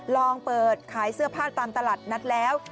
ลองเปิดขายเสื้อผ้าตามตลาดนัดแล้ว